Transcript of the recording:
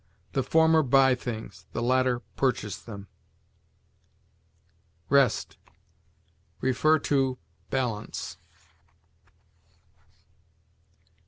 The former buy things; the latter purchase them. REST. See BALANCE.